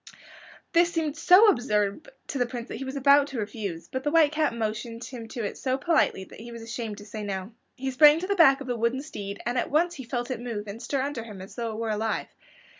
This seemed so absurd to the Prince that he was about to refuse, but the White Cat motioned him to it so politely that he was ashamed to say no. He sprang to the back of the wooden steed, and at once he felt it move and stir under him as though it were alive.